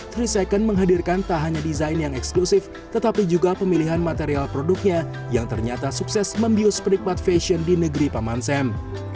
tiga second menghadirkan tak hanya desain yang eksklusif tetapi juga pemilihan material produknya yang ternyata sukses membius penikmat fashion di negeri paman sam